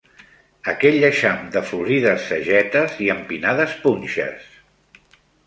Aquell aixam de florides sagetes i empinades punxes